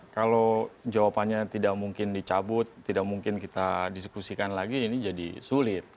kalau jawabannya tidak mungkin dicabut tidak mungkin kita diskusikan lagi ini jadi sulit